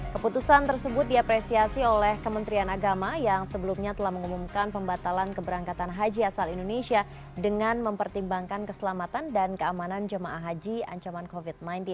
keputusan tersebut diapresiasi oleh kementerian agama yang sebelumnya telah mengumumkan pembatalan keberangkatan haji asal indonesia dengan mempertimbangkan keselamatan dan keamanan jemaah haji ancaman covid sembilan belas